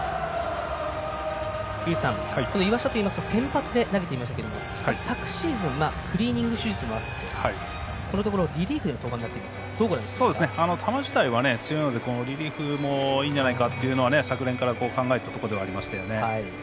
岩下というと先発で投げていましたけど昨シーズンクリーニング手術もあってここのところはリリーフでの登板になっていますが球自体は強いのでリリーフもいいんじゃないかと昨年から考えていたところではありましたね。